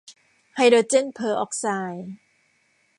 ไฮโดรเจนเพอร์ออกไซด์